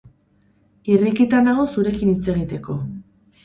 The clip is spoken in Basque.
Irrikitan nago zurekin hitz egiteko.